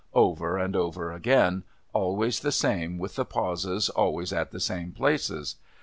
over and over again, always the same, with the pauses always at the same ])laces.